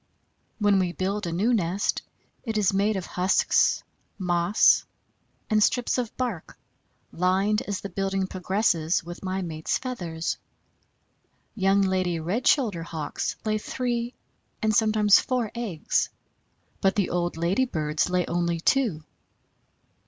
When we build a new nest, it is made of husks, moss, and strips of bark, lined as the building progresses with my mate's feathers. Young lady Red shouldered Hawks lay three and sometimes four eggs, but the old lady birds lay only two.